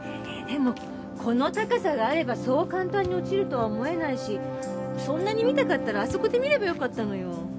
でもこの高さがあればそう簡単に落ちるとは思えないしそんなに見たかったらあそこで見ればよかったのよ。